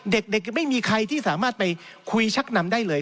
เด็กไม่มีใครที่สามารถไปคุยชักนำได้เลย